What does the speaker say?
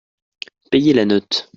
Payez la note.